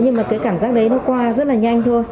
nhưng mà cái cảm giác đấy nó qua rất là nhanh thôi